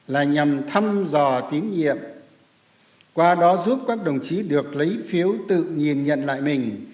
là nhằm thăm dò tín nhiệm qua đó giúp các đồng chí được lấy phiếu tự nhìn nhận lại mình